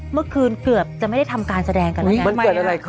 เมื่อคืนเกือบจะไม่ได้ทำการแสดงกันแล้วกัน